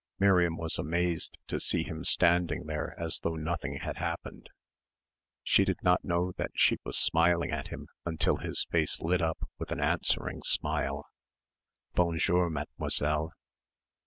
Miriam was amazed to see him standing there as though nothing had happened. She did not know that she was smiling at him until his face lit up with an answering smile. "Bonjour, mademoiselle."